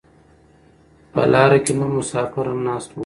په لاره کې نور مسافر هم ناست وو.